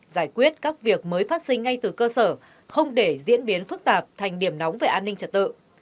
giải quyết các việc mới phát sinh ngay từ cơ sở không để diễn biến phức tạp thành điểm nóng về an ninh trật tự